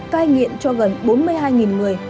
cai nghiện cho gần bốn mươi hai người